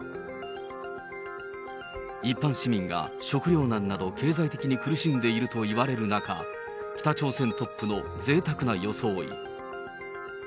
一般市民が食糧難など経済的に苦しんでいるといわれる中、北朝鮮トップのぜいたくな装い。